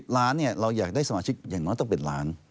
ล้านเราอยากได้สมาชิกอย่างน้อยต้องเป็นล้าน